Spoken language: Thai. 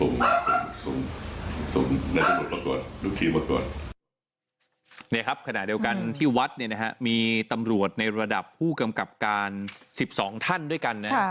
นี่ครับขณะเดียวกันที่วัดเนี่ยนะฮะมีตำรวจในระดับผู้กำกับการ๑๒ท่านด้วยกันนะฮะ